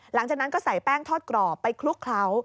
หลังจากนั้นก็ใส่แป้งทอดกรอบไปคลุกเคล้า